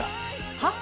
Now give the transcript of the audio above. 「はっ？」